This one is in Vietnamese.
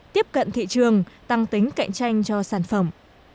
tiếp cận thị trường tăng tính cạnh tranh cho sản phẩm